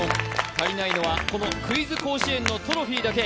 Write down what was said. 足りないのはこのクイズ甲子園のトロフィーだけ。